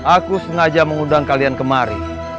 aku sengaja mengundang kalian kemari